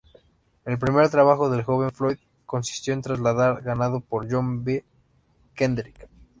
El primer trabajo del joven Floyd consistió en trasladar ganado para John B. Kendrick.